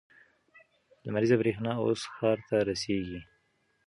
لمریزه برېښنا اوس ښار ته رسیږي.